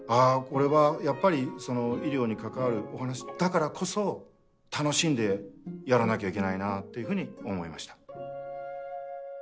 これはやっぱり医療に関わるお話だからこそ楽しんでやらなきゃいけないなというふうに思いました。